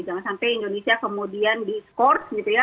jangan sampai indonesia kemudian di skors gitu ya